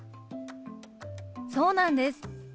そうなんです。